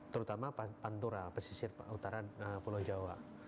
terutama pantura pesisir utara pulau jawa